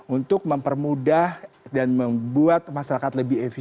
untuk mempermudah dan membuat masyarakat lebih efisien